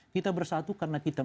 kita bersatu karena politik